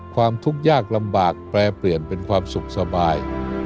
ความทุกข์ยากลำบากแปรเปลี่ยนเป็นความสุขสบาย